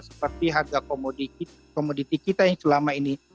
seperti harga komoditi kita yang selama ini